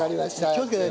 気をつけて。